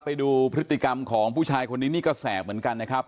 ไปดูพฤติกรรมของผู้ชายคนนี้นี่ก็แสบเหมือนกันนะครับ